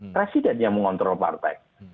presiden yang mengontrol partai